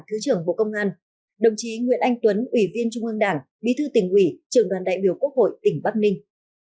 thứ trưởng bộ công an đồng chí nguyễn anh tuấn ủy viên trung ương đảng bí thư tỉnh ủy trường đoàn đại biểu quốc hội tỉnh bắc ninh